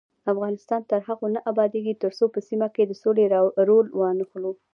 افغانستان تر هغو نه ابادیږي، ترڅو په سیمه کې د سولې رول وانخلو.